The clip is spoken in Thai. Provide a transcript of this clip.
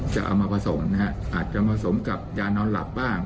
จะเอามาผสมนะฮะอาจจะผสมกับยานอนหลับบ้าง